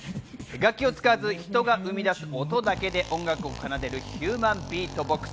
楽器を使わず人が生み出す、音だけで音楽を奏でるヒューマンビートボックス。